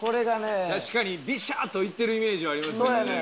確かにビシャーッといってるイメージはありますよね。